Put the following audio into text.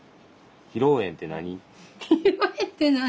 披露宴って何？